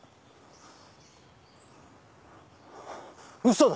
嘘だ。